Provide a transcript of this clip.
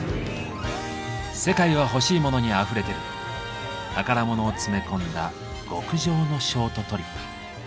「世界はほしいモノにあふれてる」宝物を詰め込んだ極上のショートトリップ。